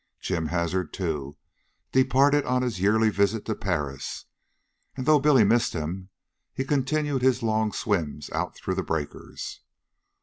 Jim Hazard, too, departed on his yearly visit to Paris; and though Billy missed him, he continued his long swims out through the breakers.